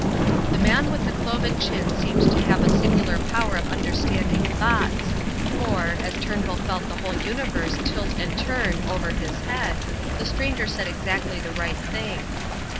The man with the cloven chin seemed to have a singular power of understanding thoughts; for, as Turnbull felt the whole universe tilt and turn over his head, the stranger said exactly the right thing.